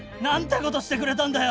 ことしてくれたんだよ！